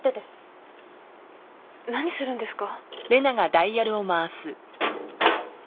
何したんですか？